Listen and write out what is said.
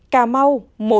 một cà mau